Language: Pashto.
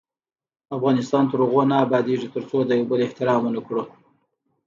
افغانستان تر هغو نه ابادیږي، ترڅو د یو بل احترام ونه کړو.